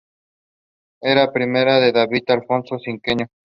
Era prima de David Alfaro Siqueiros.